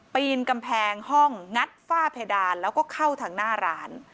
ปีนกำแพงห้องงัดฝ้าเพดานแล้วก็เข้าทางหน้าร้าน